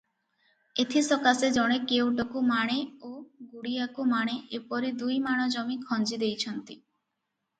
ଏଥିସକାଶେ ଜଣେ କେଉଟକୁ ମାଣେ ଓ ଗୁଡ଼ିଆକୁ ମାଣେ ଏପରି ଦୁଇ ମାଣ ଜମି ଖଞ୍ଜି ଦେଇଛନ୍ତି ।